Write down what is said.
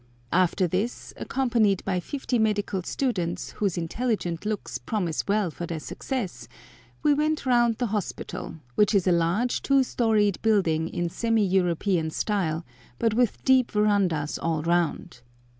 After this, accompanied by fifty medical students, whose intelligent looks promise well for their success, we went round the hospital, which is a large two storied building in semi European style, but with deep verandahs all round.